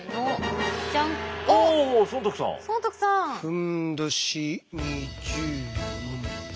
ふんどし２０文。